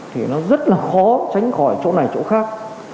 thì nó rất là khó tránh khỏi chỗ này chỗ khác